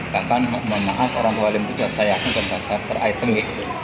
bahkan memaafkan orang tua murid saya akan belajar peraiteng